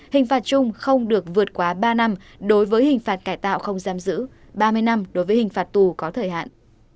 hình phạt chung không được vượt quá ba năm đối với hình phạt cải tạo không giam giữ ba mươi năm đối với hình phạt tù có thời hạn